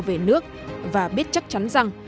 về nước và biết chắc chắn rằng